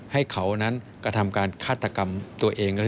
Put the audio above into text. ให้เขานั้นกระทำการฆาตกรรมตัวเอง